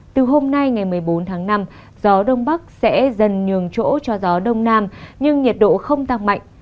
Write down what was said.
từ hôm nay ngày một mươi bốn tháng năm gió đông bắc sẽ dần nhường chỗ cho gió đông nam nhưng nhiệt độ không tăng mạnh